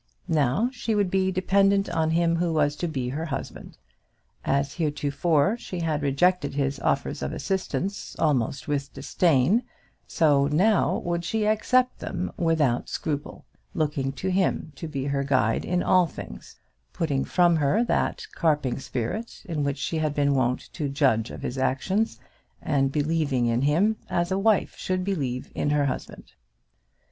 Now she would be dependent on him who was to be her husband. As heretofore she had rejected his offers of assistance almost with disdain, so now would she accept them without scruple, looking to him to be her guide in all things, putting from her that carping spirit in which she had been wont to judge of his actions, and believing in him, as a wife should believe in her husband.